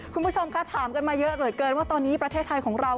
คุณผู้ชมคะถามกันมาเยอะเหลือเกินว่าตอนนี้ประเทศไทยของเรา